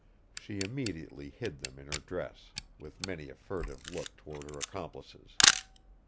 She immediately hid them in her dress, with many a furtive look toward her accomplices.